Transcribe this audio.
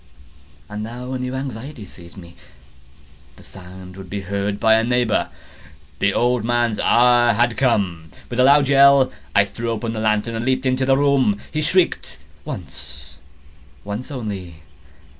And now a new anxiety seized me—the sound would be heard by a neighbour! The old man's hour had come! With a loud yell, I threw open the lantern and leaped into the room. He shrieked once—once only.